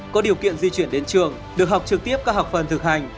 có điều kiện di chuyển đến trường được học trực tiếp các học phần thực hành